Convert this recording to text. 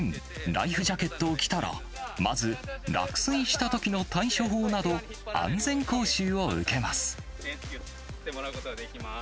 ライフジャケットを着たら、まず、落水したときの対処法など、安全講習を受けます。